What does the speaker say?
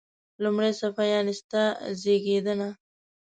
لومړی صفحه: یعنی ستا زیږېدنه.